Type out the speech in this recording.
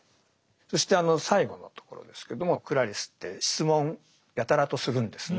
そしてあの最後のところですけどもクラリスって質問やたらとするんですね。